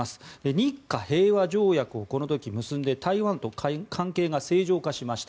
日華平和条約をこの時に結んで台湾と関係が正常化しました。